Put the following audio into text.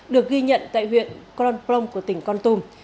được ghi nhận tại huyện con plong của tỉnh con tum